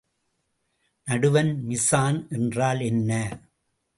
நடுவன் mise en என்றால் என்ன?